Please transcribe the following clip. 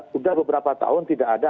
sudah beberapa tahun tidak ada